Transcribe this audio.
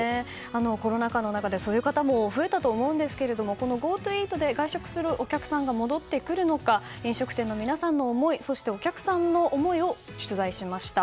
コロナ禍の中でそういう方も増えたと思うんですがこのＧｏＴｏイートで外食する方が戻ってくるのかお客さんの思いを取材しました。